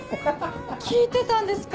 聞いてたんですか？